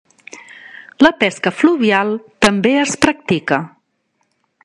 La pesca fluvial també es practica.